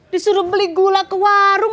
disuruh beli gula ke warung